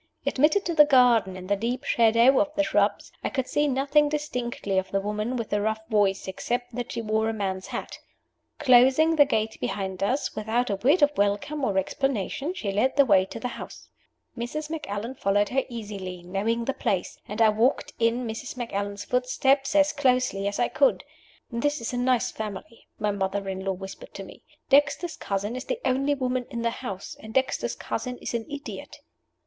Admitted to the garden, in the deep shadow of the shrubs, I could see nothing distinctly of the woman with the rough voice, except that she wore a man's hat. Closing the gate behind us, without a word of welcome or explanation, she led the way to the house. Mrs. Macallan followed her easily, knowing the place; and I walked in Mrs. Macallan's footsteps as closely as I could. "This is a nice family," my mother in law whispered to me. "Dexter's cousin is the only woman in the house and Dexter's cousin is an idiot."